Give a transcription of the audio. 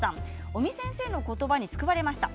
尾身先生のことばに救われました。